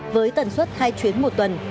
với tần suất hai chuyến một tuần